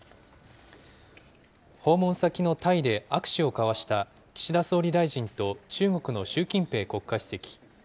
訪問先のタイで握手を交わした、岸田総理大臣と中国の習近平国家主席。